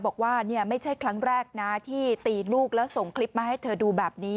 บอกว่านี่ไม่ใช่ครั้งแรกนะที่ตีลูกแล้วส่งคลิปมาให้เธอดูแบบนี้